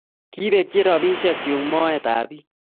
Kipekchi ropishek chu moet ab bik